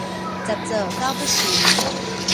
十做九不成